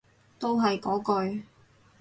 都係嗰句